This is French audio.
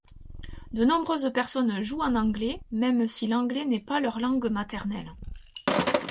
De nombreuses personnes jouent en anglais, même si l'anglais n'est pas leur langue maternelle.